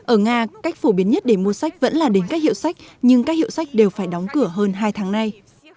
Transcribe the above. ở nga cách phổ biến nhất để mua sách vẫn là đến các hiệu sách nhưng các hiệu sách đều phải đóng cửa hơn hai tháng nay